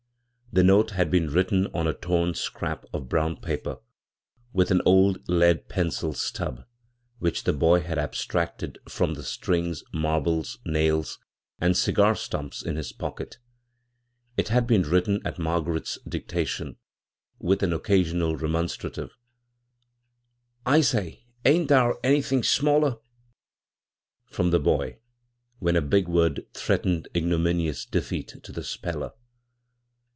The note had been written on a torn scrap of brown paper with an old lead pencil stub 31 bvGoog[c CROSS CURRENTS whidi the boy had abstracted from among the strings, marbles, nails, and dgar ^tumps in his pocket It had been written at Margaret's dictation, with an occasional remonstrative, " I say, ain't tharanythin' smaller?" from the boy when a big word threatened ignominious defeat to the speller.